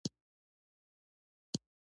ازادي راډیو د کلتور په اړه د ښځو غږ ته ځای ورکړی.